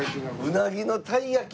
うなぎの鯛焼き？